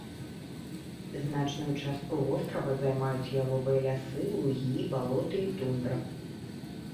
Значную частку вострава займаюць яловыя лясы, лугі, балоты і тундра.